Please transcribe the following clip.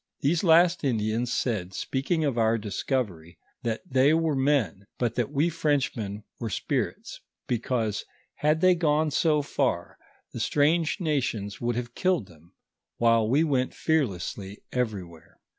These last Indians said, speaking of our discovery, that they wore men, but that wo Frenchmen were spirits, because, had they gone so far, the strange nations would have killed them, while we went fearlessly everywhere.